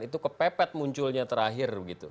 itu kepepet munculnya terakhir